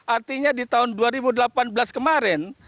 artinya di tahun dua ribu delapan belas kemarin